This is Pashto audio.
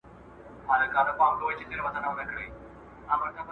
زه مخکي واښه راوړلي وو!